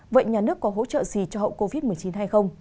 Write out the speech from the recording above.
vậy nhà nước có hỗ trợ gì cho hậu covid một mươi chín hay không